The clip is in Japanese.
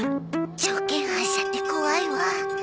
条件反射って怖いわ。